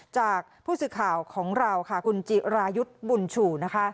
จากผู้สึกข่าวของเราคุณจิรายุทธ์บุญฉู่